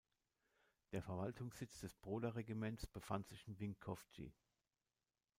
Der Verwaltungssitz des Broder Regiments befand sich in Vinkovci.